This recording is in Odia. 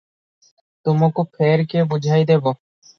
ତୁମକୁ ଫେର କିଏ ବୁଝାଇଦେବ?